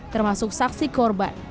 termasuk saksi korban